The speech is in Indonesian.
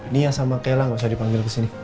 nia sama kela gak usah dipanggil kesini